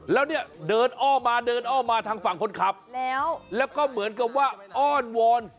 แล้วเนี่ยเดินอ้อมาเดินอ้อมาทางฝั่งคนขับแล้วแล้วก็เหมือนกับว่าอ้อนวอน